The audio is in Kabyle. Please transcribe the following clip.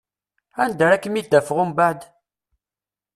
Anda ara kem-id-afeɣ umbeɛd?